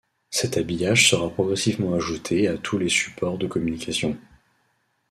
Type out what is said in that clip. Cet habillage sera progressivement ajouté à tous les supports de communication.